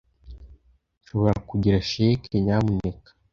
Nshobora kugira cheque, nyamuneka?